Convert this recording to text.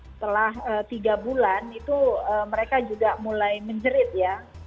setelah tiga bulan itu mereka juga mulai menjerit ya